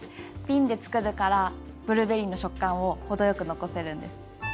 びんで作るからブルーベリーの食感を程よく残せるんです。